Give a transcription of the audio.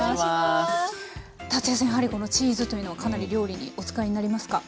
やはりチーズというのはかなり料理にお使いになりますか？